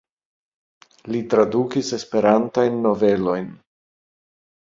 Li tradukis Esperantajn novelojn.